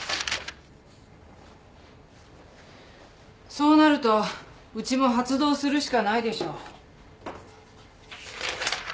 そうなるとうちも発動するしかないでしょ。